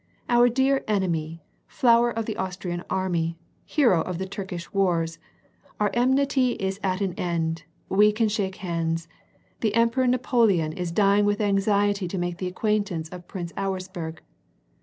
* Our dear enemy ! Flower of the Austrian army, hero of the Turkish wars ! Our enmity is at an end, we can shake hands. The Emperor Napoleon is dying with anxiety to make the acquaintainee of Prince Auersperg